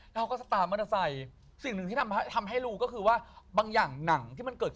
แล้วก็ผักเพื่อนผักคนอื่นแล้วก็วิ่งออกมาคนแรกเลย